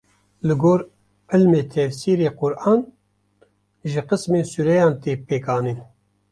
Li gor ilmê tefsîrê Quran ji qismên sûreyan tê pêkanîn.